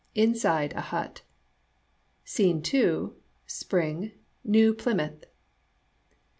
In side a hut. SCENE II. Spring. New Plymouth.